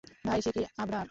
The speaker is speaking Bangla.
ভাই, সে কি আবরার?